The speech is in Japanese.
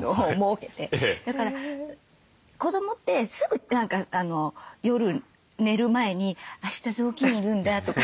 だから子どもってすぐ何か夜寝る前に「あした雑巾要るんだ」とか。